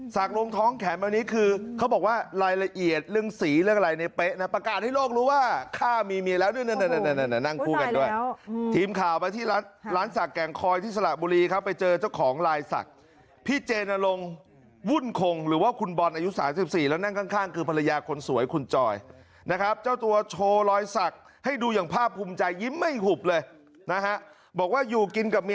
สักลงท้องแขนของมันนี้คือเขาบอกว่าลายละเอียดเรื่องสีเรื่องอะไรในเป๊ะนะ